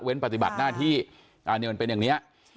อุ้งปฏิบัติหน้าที่อันตรีวันเป็นอย่างนี้